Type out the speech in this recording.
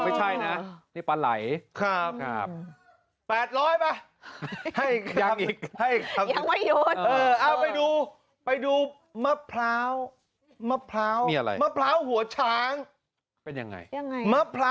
ไม่ใช่นะนี่ปลาไหล